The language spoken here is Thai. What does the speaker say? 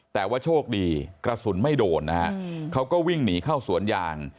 แต่ว่าโชคดีกระสุนไม่โดนนะฮะเขาก็วิ่งหนีเข้าสวนยาง